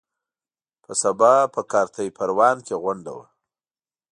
په سبا په کارته پروان کې غونډه وه.